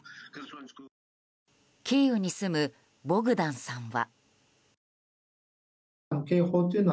キーウに住むボグダンさんは。